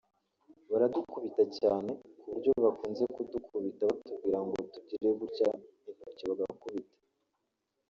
Baradukubita cyane ku buryo bakunze kudukubita batubwira ngo tugire gutya intoki bagakubita